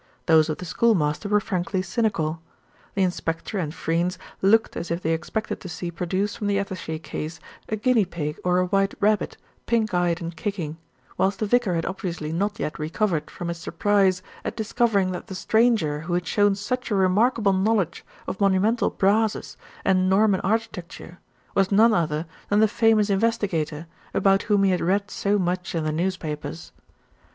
Those of the schoolmaster were frankly cynical. The inspector and Freynes looked as if they expected to see produced from the attaché case a guinea pig or a white rabbit, pink eyed and kicking; whilst the vicar had obviously not yet recovered from his surprise at discovering that the stranger, who had shown such a remarkable knowledge of monumental brasses and Norman architecture, was none other than the famous investigator about whom he had read so much in the newspapers.